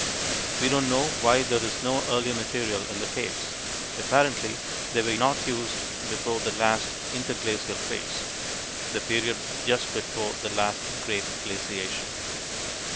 We don't know why there is no earlier material in the caves; apparently they were not used before the last interglacial phase (the period just before the last great glaciation).